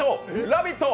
ラヴィット！